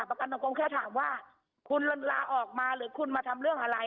ประกันตรงแค่ถามว่าคุณลาออกมาหรือคุณมาทำเรื่องอะไร